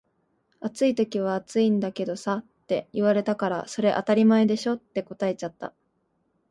「暑い時は暑いんだけどさ」って言われたから「それ当たり前でしょ」って答えちゃった